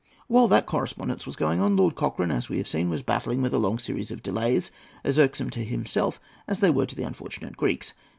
] While that correspondence was going on, Lord Cochrane, as we have seen, was battling with a long series of delays, as irksome to himself as they were unfortunate to the Greeks.